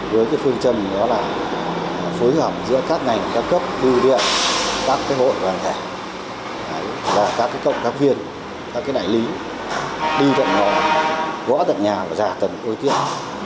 với cái phương chân đó là phối hợp giữa các ngành các cấp bưu viện các cái hội hoàn thể các cái công tác viên các cái nải lý đi tận ngõ gõ tận nhà và giả tầng ưu tiên